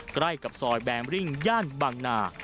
ใกล้กับซอยแบมริ่งย่านบางนา